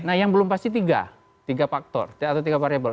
nah yang belum pasti tiga tiga faktor atau tiga variable